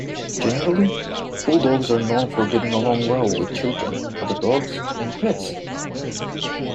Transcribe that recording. Generally, Bulldogs are known for getting along well with children, other dogs, and pets.